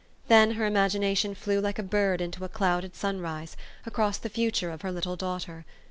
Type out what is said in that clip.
Then her imagination flew like a bird into a clouded sun rise, across the future of her little daughter.